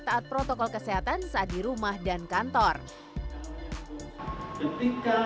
taat protokol kesehatan saat di rumah dan kantor ketika kita berada di kemungkinan sebagian mungkin